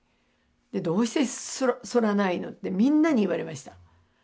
「どうして剃らないの？」ってみんなに言われました。